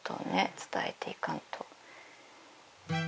伝えていかんと。